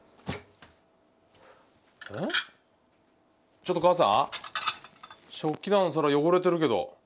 ちょっと母さん食器棚の皿汚れてるけど。